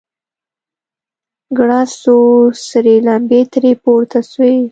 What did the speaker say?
گړز سو سرې لمبې ترې پورته سوې.